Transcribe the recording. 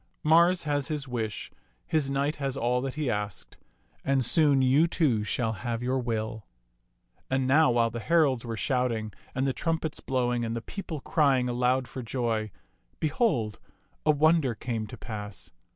Mars has his wish, his knight has all that he asked; and soon you, too, shall have your will." And now while the heralds were shouting and the trumpets blowing and the people crying aloud for joy, behold, a wonder came to pass.